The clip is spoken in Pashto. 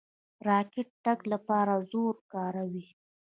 راکټ د تګ لپاره زور کاروي.